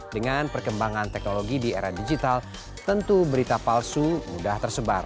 dengan perkembangan teknologi di era digital tentu berita palsu mudah tersebar